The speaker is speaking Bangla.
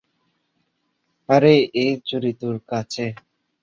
আরে এই চুড়ি তোর কাছে।